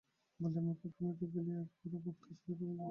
বলিয়া মুকুট ভূমিতে ফেলিয়া দিলেন, একটি বড়ো মুক্তা ছিঁড়িয়া পড়িয়া গেল।